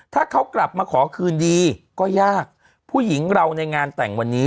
ถ้าเขากลับมาขอคืนดีก็ยากผู้หญิงเราในงานแต่งวันนี้